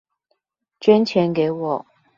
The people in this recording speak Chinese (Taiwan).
捐錢給我